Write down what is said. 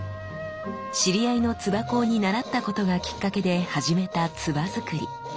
知り合いの鐔工に習ったことがきっかけで始めた鐔づくり。